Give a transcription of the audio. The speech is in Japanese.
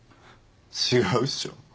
違うっしょ。